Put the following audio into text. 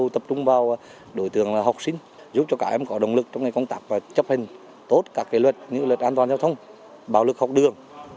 chúng tôi tập trung vào đối tượng là học sinh giúp cho các em có động lực trong ngày công tác và chấp hình tốt các luật như luật an toàn giao thông bảo lực học đường